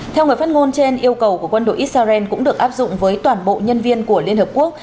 theo người phát ngôn trên yêu cầu của quân đội israel cũng được áp dụng với toàn bộ nhân viên của liên hợp quốc